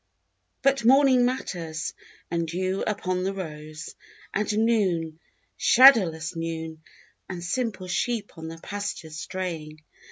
_ _But morning matters, and dew upon the rose, And noon, shadowless noon, and simple sheep on the pastures straying.